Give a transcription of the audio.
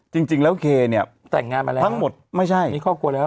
คุณเคเนี่ยแต่งงานมาแล้ว